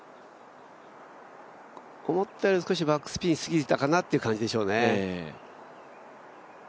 思ったより少しバックスピンすぎたかなという感じでしょうね。